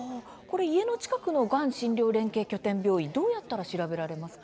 家の近くのがん診療連携拠点病院どうやって調べられますか。